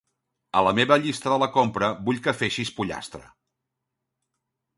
A la meva llista de la compra vull que afeixis pollastre.